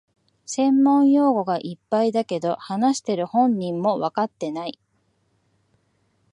専門用語がいっぱいだけど、話してる本人もわかってない